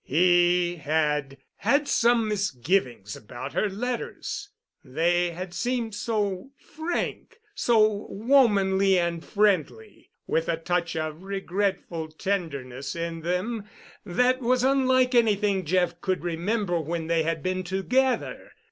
He had had some misgivings about her letters—they had seemed so frank, so womanly and friendly, with a touch of regretful tenderness in them that was unlike anything Jeff could remember when they had been together.